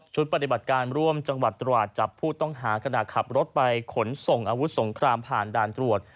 ปฏิบัติการร่วมจังหวัดตราดจับผู้ต้องหาขณะขับรถไปขนส่งอาวุธสงครามผ่านด่านตรวจ